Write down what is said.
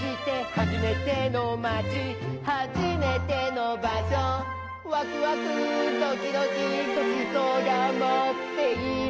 「はじめての町はじめてのばしょ」「ワクワクドキドキごちそうがまっている」